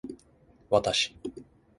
わたし